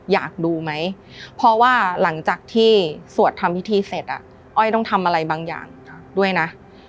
อยากดูไหมเพราะว่าหลังจากที่สวดทำพิธีเสร็จอ้อยต้องทำอะไรบางอย่างด้วยนะ